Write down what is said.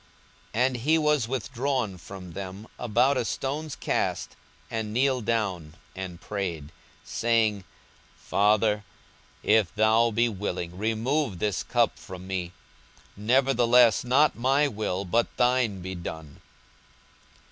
42:022:041 And he was withdrawn from them about a stone's cast, and kneeled down, and prayed, 42:022:042 Saying, Father, if thou be willing, remove this cup from me: nevertheless not my will, but thine, be done.